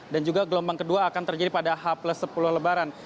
dan juga gelombang kedua akan terjadi pada h sepuluh lebaran